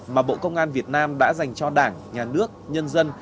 mà bộ công an việt nam đã dành cho đảng nhà nước nhân dân